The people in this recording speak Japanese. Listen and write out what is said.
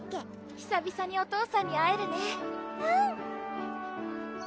ひさびさにお父さんに会えるねうん！